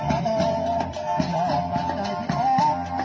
สวัสดีครับทุกคน